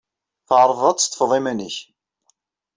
Tɛerḍed ad teḍḍfed iman-nnek.